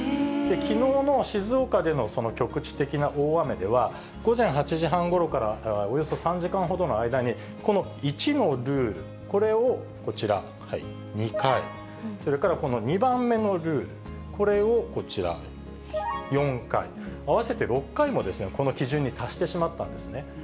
きのうの静岡での局地的な大雨では、午前８時半ごろから、およそ３時間ほどの間に、この１のルール、これをこちら、２回、それからこの２番目のルール、これをこちら、４回、合わせて６回もこの基準に達してしまったんですね。